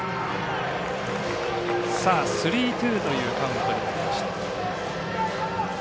スリーツーというカウントになりました。